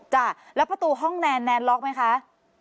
จ้ะแล้วประตูห้องแนนแนนล็อกไหมคะ